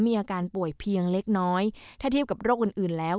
มีอาการป่วยเพียงเล็กน้อยถ้าเทียบกับโรคอื่นอื่นแล้ว